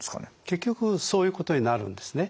結局そういうことになるんですね。